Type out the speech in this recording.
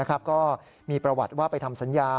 ก็มีประวัติว่าไปทำสัญญา